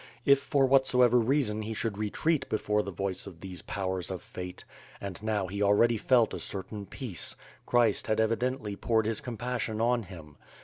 If for whatsoever reason he should retreat before the voice of these .powers of fate; and now he already felt a certain peace, Christ had evidently poured his compassion on him.